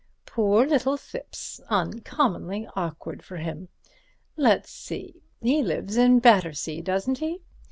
"Poor little Thipps! Uncommonly awkward for him. Let's see, he lives in Battersea, doesn't he?"